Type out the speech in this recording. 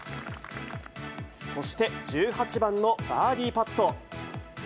そして１８番のバーディーパット。